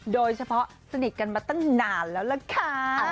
โดยเฉพาะสนิทกันมาตั้งนานแล้วล่ะค่ะ